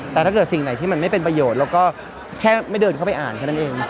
แต่ถ้าเกิดสิ่งไหนที่มันไม่เป็นประโยชน์เราก็แค่ไม่เดินเข้าไปอ่านแค่นั้นเอง